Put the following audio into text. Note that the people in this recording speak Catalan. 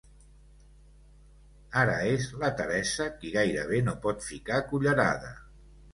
Ara és la Teresa, qui gairebé no pot ficar cullerada.